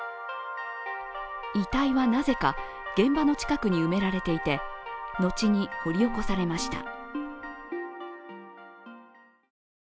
遺体は、なぜか現場の近くに埋められていてのちに、掘り起こされました。